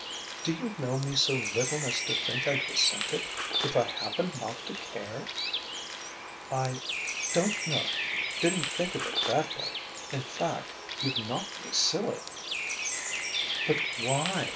"Do you know me so little as to think I'd resent it, if I happened not to care?" "I don't know didn't think of it that way. In fact you've knocked me silly!" "But why?